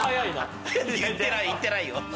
いってないよ。